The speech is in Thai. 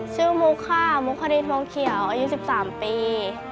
ชื่อมุคค่ะมุคฮฤทธิ์มองเขียวอายุ๑๓ปี